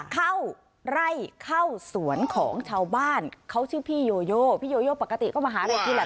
เข้าไล่เข้าสวนของชาวบ้านเขาชื่อพี่โยโยพี่โยโยปกติก็มาหาเราทีหลัง